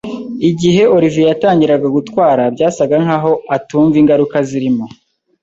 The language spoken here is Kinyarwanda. Igihe Oliver yatangiraga gutwara, byasaga nkaho atumva ingaruka zirimo.